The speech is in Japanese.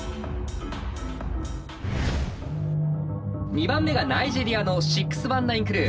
２番目がナイジェリアのシックス・ワン・ナイン・クルー。